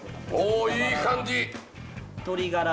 おいい感じ！